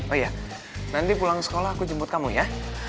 oh iya nanti pulang sekolah aku jemput kamu ya